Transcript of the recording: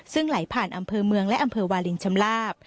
ซึ่งไหลผ่านอำเภอเมืองและอำเภอวาลินชำลาบ